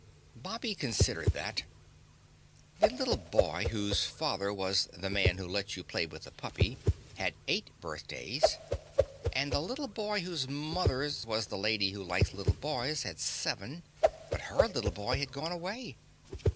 Bobby considered that. The little boy whose fathers was the Man Who Lets You Play with the Puppy had eight birthdays and the little boy whose mothers was the Lady Who Likes Little Boys had seven. But her little boy had gone away.